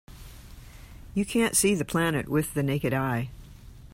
You can't see the planet with the naked eye.